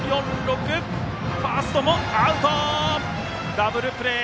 ダブルプレー！